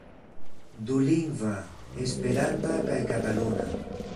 Dulingva, esperanta kaj kataluna.